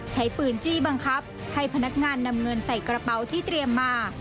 ใช้ปืนจี้บังคับให้พนักงานนำเงินใส่กระเป๋าที่เตรียมมา